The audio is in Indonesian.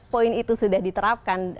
poin itu sudah diterapkan